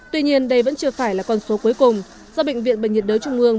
tuy nhiên đây vẫn chưa phải là con số cuối cùng do bệnh viện bệnh nhiệt đới trung ương